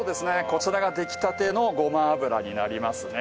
こちらが出来たてのごま油になりますね。